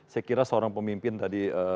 saya kira seorang pemimpin tadi